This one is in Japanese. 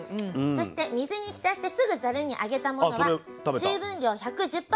そして水に浸してすぐざるにあげたものは水分量１１０％